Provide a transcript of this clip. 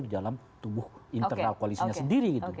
di dalam tubuh internal koalisinya sendiri gitu